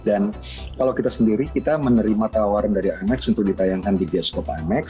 dan kalau kita sendiri kita menerima tawaran dari imax untuk ditayangkan di bioskop imax